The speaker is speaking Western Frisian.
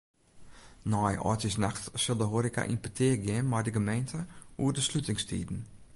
Nei âldjiersnacht sil de hoareka yn petear gean mei de gemeente oer de slutingstiden.